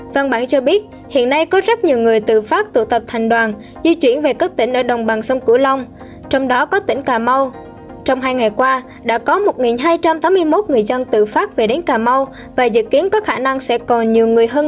văn bản cho biết hiện nay có rất nhiều người tự phát tụ tập thành đoàn di chuyển về các tỉnh ở đồng bằng sông cửu long trong đó có tỉnh cà mau